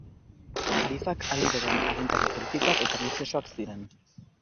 Kalifak aldi berean agintari politikoak eta erlijiosoak ziren.